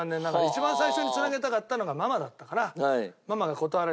一番最初に繋げたかったのがママだったから。